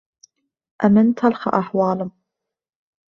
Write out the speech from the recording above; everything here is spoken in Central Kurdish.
ئەمن تەڵخە ئەحوالم